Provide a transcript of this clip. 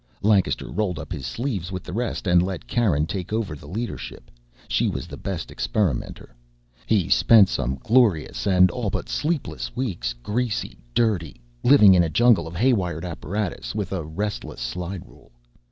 Lancaster rolled up his sleeves with the rest and let Karen take over the leadership she was the best experimenter. He spent some glorious and all but sleepless weeks, greasy, dirty, living in a jungle of haywired apparatus with a restless slide rule.